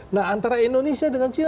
nah antara indonesia dengan china